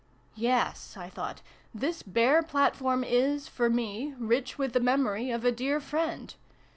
"Yes," I thought. " This bare platform is, for me, rich with the memory of a dear friend